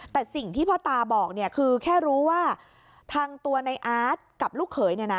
แต่สิ่งที่พ่อตาบอกคือแค่รู้ว่าทางตัวในอาร์ตกับลูกเขยเนี่ยนะ